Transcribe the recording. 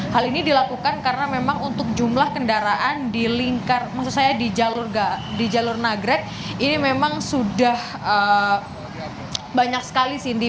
hal ini dilakukan karena memang untuk jumlah kendaraan di lingkar maksud saya di jalur nagrek ini memang sudah banyak sekali cindy